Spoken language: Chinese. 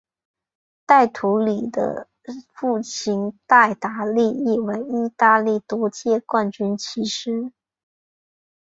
戴图理的父亲戴达利亦为意大利多届冠军骑师。